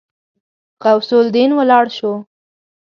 غوث الدين ولاړ شو.